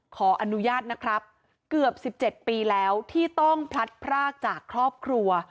ขออนุญาตนะครับเกือบ๑๗ปีแล้วที่ต้องพลัดพรากจากครอบครัว